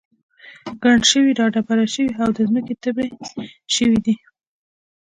ګڼ شوي را دبره شوي او د ځمکې تبی شوي دي.